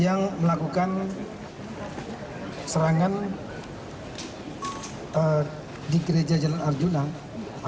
yang melakukan serangan di gereja jalan arjuna